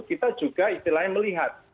kita juga istilahnya melihat